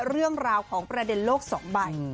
เรื่องราวของประเด็นโลก๒ใบ